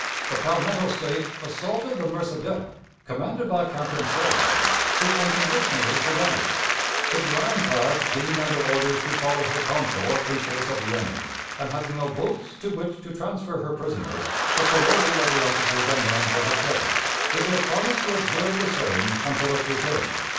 The Palmetto State assaulted the Mercideta, commanded by Captain Stellwagen, who unconditionally surrendered. But the ironclad being under orders to follow her consort in chase of the enemy, and having no boats to which to transfer her prisoners, the parole of the officers and men was accepted, with their promise to observe the same until its return.